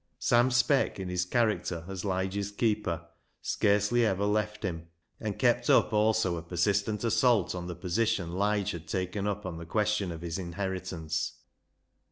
Sam Speck, in his character as Lige's keeper, scarcely ever left him, and kept up also a persis tent assault on the position Lige had taken up on the question of his inheritance.